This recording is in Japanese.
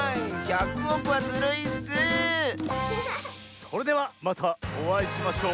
それではまたおあいしましょう！